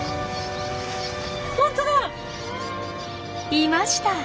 いました！